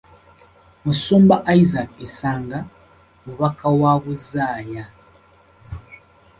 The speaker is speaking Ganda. Musumba Isaac Isanga, mubaka wa Buzaaya.